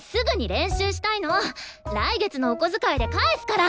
来月のお小遣いで返すから！